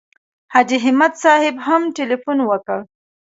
حاجي همت صاحب هم تیلفون وکړ.